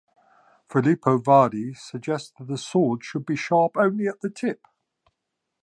Filippo Vadi suggests that a sword be sharp only at the tip.